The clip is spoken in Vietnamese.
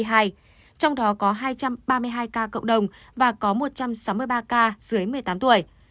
trong đó có hai trăm ba mươi hai ca cộng đồng và có một trăm sáu mươi ba ca dưới một mươi tám tuổi